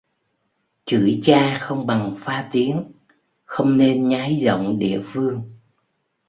Chửi cha không bằng pha tiếng: không nên nhái giọng địa phương